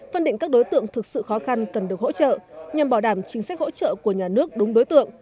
phân định các đối tượng thực sự khó khăn cần được hỗ trợ nhằm bảo đảm chính sách hỗ trợ của nhà nước đúng đối tượng